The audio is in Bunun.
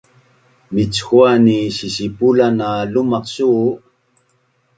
Michuan ni sisipulan na lumaq su?